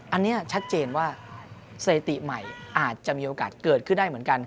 อันนี้ชัดเจนว่าสถิติใหม่อาจจะมีโอกาสเกิดขึ้นได้เหมือนกัน